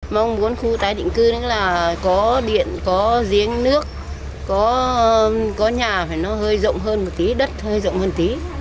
mong muốn khu tái định cư có điện có riêng nước có nhà phải nó hơi rộng hơn một tí đất hơi rộng hơn tí